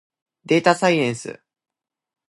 でーたさいえんす。